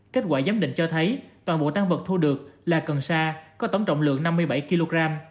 kết quả giám định cho thấy toàn bộ tan vật thu được là cần sa có tổng trọng lượng năm mươi bảy kg